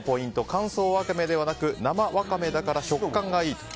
乾燥ワカメではなく生ワカメだから食感がいいと。